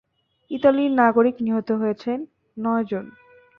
ইতালির নাগরিক নিহত হয়েছেন নয়জন।